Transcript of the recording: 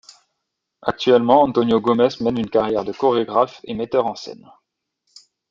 Actuellement, Antonio Gomes mène une carrière de chorégraphe et metteur en scène.